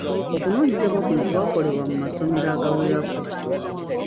Okunoonyereza kuno kwa kolebwa mu masomero agawerako.